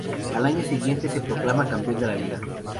Al año siguiente se proclama campeón de Liga.